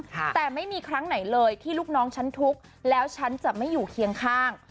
แต่ไม่มีครั้งไหนเลยที่ลูกน้องฉันทุกข์แล้วฉันจะไม่อยู่เคียงข้าง